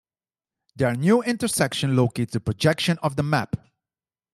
Their new intersection locates the projection of the map.